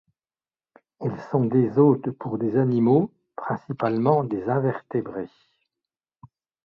Elles sont des hôtes pour des animaux, principalement des invertébrés.